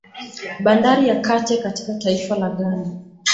Bandari ya Kate katika taifa la Ghana